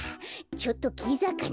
ちょっとキザかな？